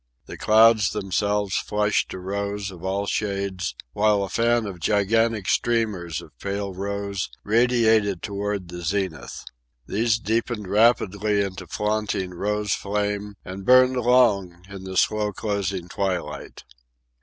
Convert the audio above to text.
The clouds themselves flushed to rose of all shades, while a fan of gigantic streamers of pale rose radiated toward the zenith. These deepened rapidly into flaunting rose flame and burned long in the slow closing twilight.